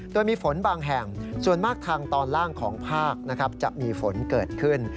โดยมีฝนบางแห่งส่วนมากทางตอนล่างของภาคนะครับจะมีฝนเกิดขึ้น